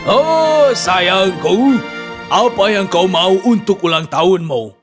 oh sayangku apa yang kau mau untuk ulang tahunmu